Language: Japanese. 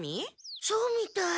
そうみたい。